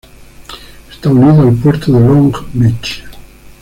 Está unido al puerto de Long Beach.